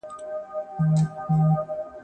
پخوا به سترګه سوځېدله د بابا له ږیري.